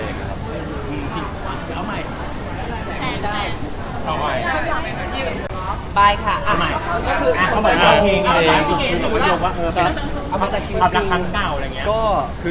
นะครับ